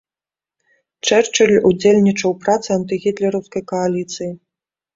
Чэрчыль удзельнічаў у працы антыгітлераўскай кааліцыі.